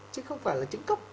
chứ không phải là chứng cốc